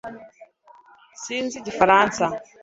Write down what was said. sinzi igifaransa